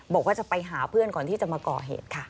บอกว่าจะไปหาเพื่อนก่อนที่จะมาก่อเหตุค่ะ